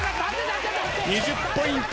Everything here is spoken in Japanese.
２０ポイント